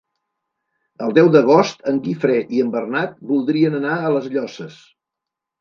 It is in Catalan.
El deu d'agost en Guifré i en Bernat voldrien anar a les Llosses.